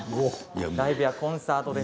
ライブやコンサートで。